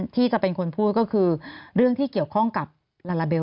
ที่จะเป็นคนพูดก็คือเรื่องที่เกี่ยวข้องกับลาลาเบล